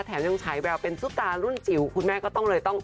แถมยังใช้แบบเป็นซุปตารุ่นจิ๋วคุณแม่ก็ต้องเลย